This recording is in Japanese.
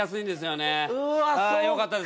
よかった。